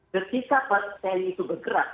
ketika tni itu bergerak